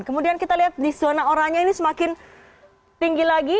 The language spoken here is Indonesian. kemudian kita lihat di zona oranye ini semakin tinggi lagi